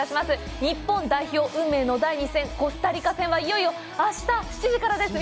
日本代表運命の第２戦コスタリカ戦は、いよいよ明日７時からです。